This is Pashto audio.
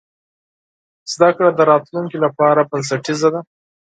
زده کړه د راتلونکي لپاره بنسټیزه ده.